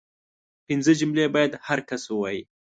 پنځه جملې باید هر کس ووايي